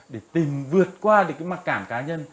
để tìm vượt qua được cái mặc cảm cá nhân